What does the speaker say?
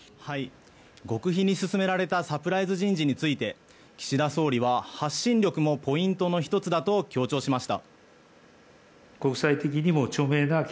極秘に進められたサプライズ人事について岸田総理は発信力もポイントの１つだと強調しました。